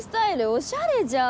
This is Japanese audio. おしゃれじゃん。